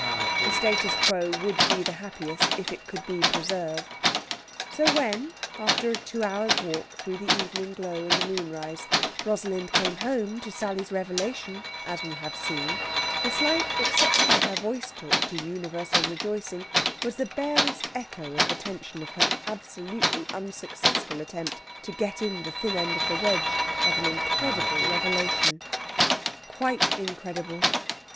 The status quo would be the happiest, if it could be preserved. So when, after a two hours' walk through the evening glow and the moonrise, Rosalind came home to Sally's revelation, as we have seen, the slight exception her voice took to universal rejoicing was the barest echo of the tension of her absolutely unsuccessful attempt to get in the thin end of the wedge of an incredible revelation. Quite incredible!